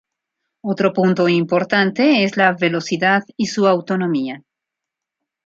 Otro punto importante es la velocidad y su autonomía.